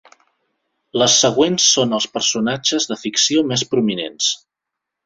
Les següents són els personatges de ficció més prominents.